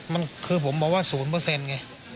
มันคือผมบอกว่า๐ไง